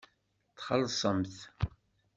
Tlexsemt.